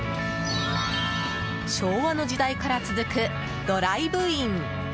昭和の時代から続くドライブイン。